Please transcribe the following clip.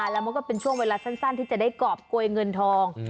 แล้วมันก็เป็นช่วงเวลาสั้นที่จะได้กรอบโกยเงินทอง